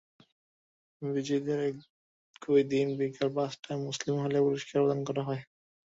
বিজয়ীদের একই দিন বিকেল পাঁচটায় মুসলিম হলে পুরস্কার প্রদান করা হয়।